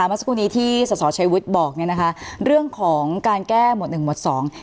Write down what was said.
เมื่อสักครู่นี้ที่สอสอชัยวุฒิบอกเนี่ยนะคะเรื่องของการแก้หมวดหนึ่งหมวดสอง